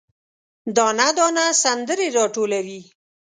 دانه، دانه سندرې، راټولوي